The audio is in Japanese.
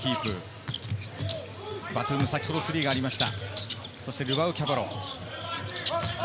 バトゥーム、先ほどスリーがありました。